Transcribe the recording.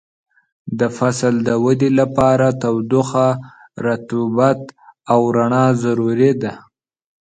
د فصل د ودې لپاره تودوخه، رطوبت او رڼا ضروري دي.